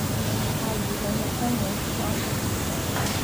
他于洪武三年举乡试。